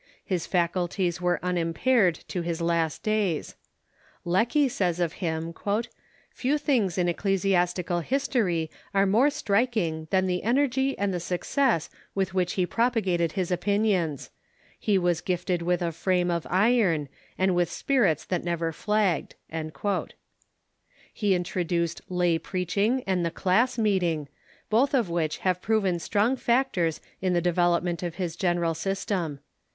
His faculties were unimpaired to his last days. Lecky says of him :" Few things in ecclesias tical history are more striking than the energy and the suc cess with which he propagated his opinions. He was gifted with a frame of iron, and with spirits that never flagged." He introduced lay preaching and the class meeting, both of which have proven strong factors in the development of his general system.